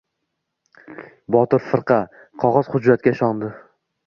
Botir firqa... qog‘oz-hujjatga ishondi.